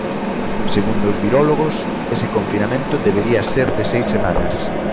Segundo os virólogos, ese confinamento debería ser de seis semanas.